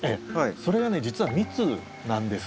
それがね実は蜜なんです。